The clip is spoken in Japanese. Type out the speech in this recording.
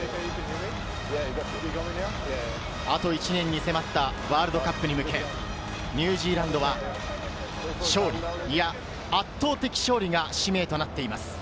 １年に迫ったワールドカップに向け、ニュージーランドは勝利、いや、圧倒的勝利が使命となっています。